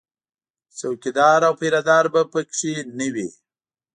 څوکیدار او پیره دار به په کې نه وي